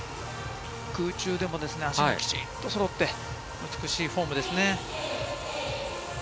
空中でも足がきちんとそろって、美しいフォームですね。